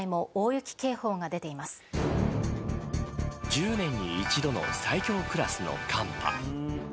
１０年に一度の最強クラスの寒波。